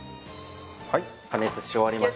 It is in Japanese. はい加熱し終わりました。